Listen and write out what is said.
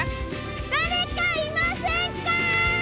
誰かいませんか！